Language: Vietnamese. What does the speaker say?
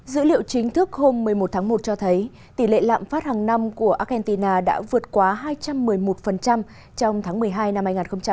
dữ liệu chính thức hôm một mươi một tháng một cho thấy tỷ lệ lạm phát hàng năm của argentina đã vượt quá hai trăm một mươi một trong tháng một mươi hai năm hai nghìn hai mươi ba